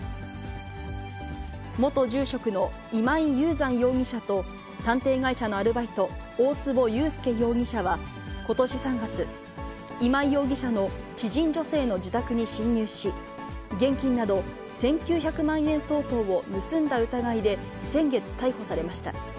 元住職の今井雄山容疑者と探偵会社のアルバイト、大坪裕介容疑者はことし３月、今井容疑者の知人女性の自宅に侵入し、現金など１９００万円相当を盗んだ疑いで、先月逮捕されました。